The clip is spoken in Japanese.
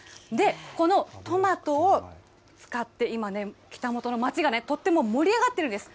このトマトを使って、今ね、北本の町がとっても盛り上がってるんです。